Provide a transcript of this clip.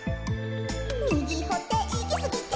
「みぎほっていきすぎて」